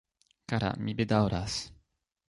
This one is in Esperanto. Kara, mi bedaŭras...